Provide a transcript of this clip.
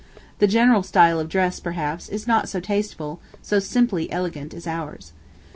The general style of dress, perhaps, is not so tasteful, so simply elegant as ours.